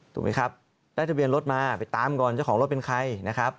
ถูกไหมครับได้ทะเบียนรถมาไปตามก่อนเจ้าของรถเป็นใครนะครับ